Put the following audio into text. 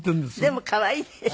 でも可愛いです。